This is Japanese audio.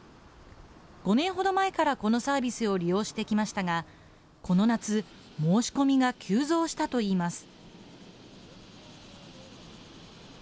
５年ほど前からこのサービスを利用してきましたが、この夏、申し込みが急増したといいます。